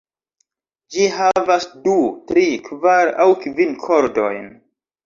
Ĝi havas du, tri, kvar aŭ kvin kordojn.